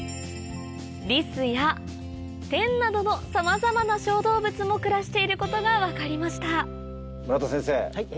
リスやテンなどのさまざまな小動物も暮らしていることが分かりました村田先生